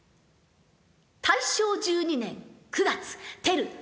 大正１２年９月テル二十歳。